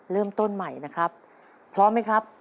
เริ่มต้นใหม่นะครับพร้อมไหมครับ